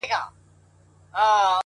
هغه ساعت!! هغه غرمه!! هغه د سونډو زبېښل!!